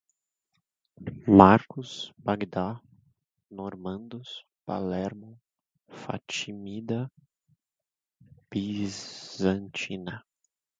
Marrocos, Bagdá, normandos, Palermo, Fatímida, bizantina